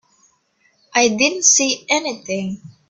I didn't see anything.